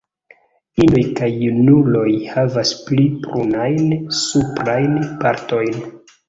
Inoj kaj junuloj havas pli brunajn suprajn partojn.